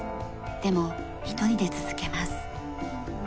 でも１人で続けます。